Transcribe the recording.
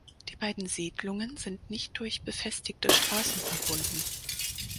Die beiden Siedlungen sind nicht durch befestigte Straßen verbunden.